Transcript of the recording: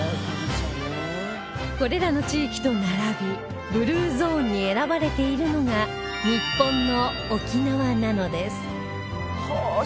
これらの地域と並びブルーゾーンに選ばれているのが日本の沖縄なのですはあー！